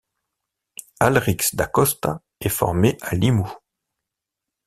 Alrix Da Costa est formé à Limoux.